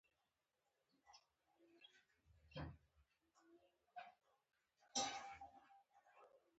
مفعول د فعل سره تړلې اړیکه ښيي.